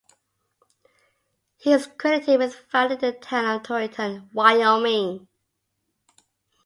He is credited with founding the town of Torrington, Wyoming.